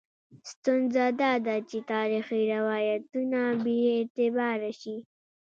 ستونزه دا ده چې تاریخي روایتونه بې اعتباره شي.